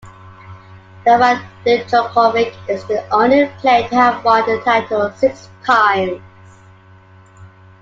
Novak Djokovic is the only player to have won the title six times.